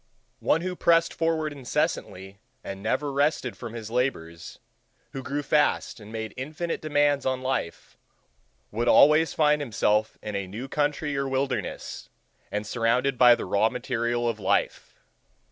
One who pressed forward incessantly and never rested from his labors, who grew fast and made infinite demands on life, would always find himself in a new country or wilderness, and surrounded by the raw material of life.